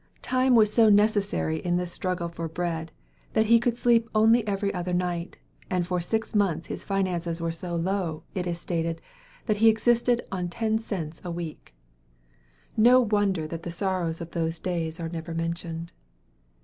Time was so necessary in this struggle for bread, that he could sleep only every other night; and for six months his finances were so low, it is stated, that he existed on ten cents a week! No wonder that the sorrows of those days are never mentioned.